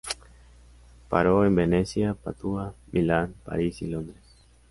Paró en Venecia, Padua, Milán, París y Londres.